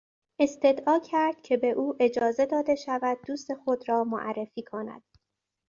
استدعا کرد که به او اجازه داده شود دوست خود را معرفی کند.